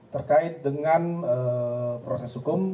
terkait dengan proses hukum